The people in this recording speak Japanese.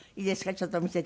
ちょっと見せて。